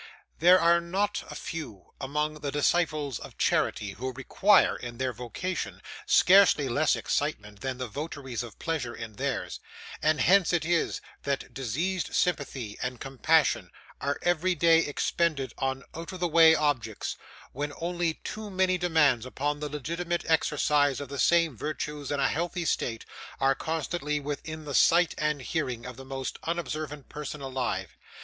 There are not a few among the disciples of charity who require, in their vocation, scarcely less excitement than the votaries of pleasure in theirs; and hence it is that diseased sympathy and compassion are every day expended on out of the way objects, when only too many demands upon the legitimate exercise of the same virtues in a healthy state, are constantly within the sight and hearing of the most unobservant person alive.